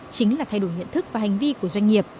chính là thay đổi nhận thức và hành vi của doanh nghiệp